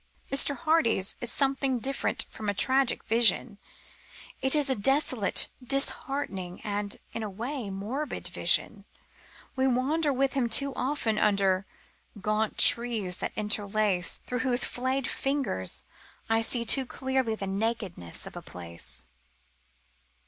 Mr. Hardy's is something different from a tragic vision. It is a desolate, disheartening, and, in a way, morbid vision. We wander with him too often under Gaunt trees that interlace, Through whose flayed fingers I see too clearly The nakedness of the place.